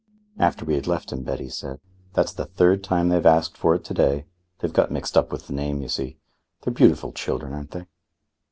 After we had left him, Betty said: "That's the third time they've asked for it to day. They've got mixed up with the name, you see. They're beautiful children, aren't they?"